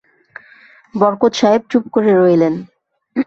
বরকত সাহেব চুপ করে রইলেন।